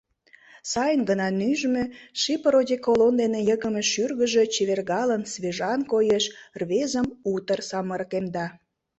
Сайын гына нӱжмӧ, «Шипр» одеколон дене йыгыме шӱргыжӧ чевергалын, свежан коеш, рвезым утыр самырыкемда.